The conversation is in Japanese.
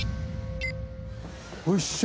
よいしょ。